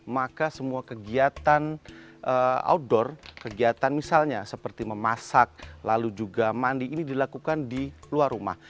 maka semua kegiatan outdoor kegiatan misalnya seperti memasak lalu juga mandi ini dilakukan di luar rumah